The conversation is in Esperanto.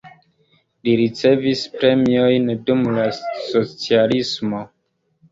Li ricevis premiojn dum la socialismo.